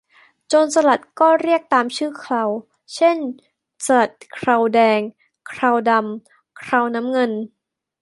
โจรสลัดก็เรียกตามชื่อเครา เช่นสลัดเคราแดง เคราดำ เคราน้ำเงิน